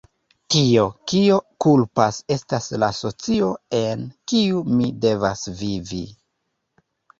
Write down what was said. Tio, kio kulpas estas la socio en kiu mi devas vivi.